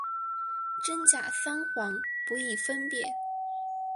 真假桑黄不易分辨。